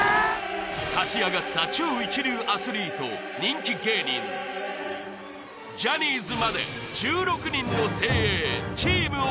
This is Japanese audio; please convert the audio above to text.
立ち上がった超一流アスリート人気芸人ジャニーズまで１６人の精鋭チーム鬼